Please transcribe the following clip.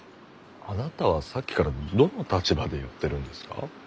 あなたはさっきからどの立場で言ってるんですか？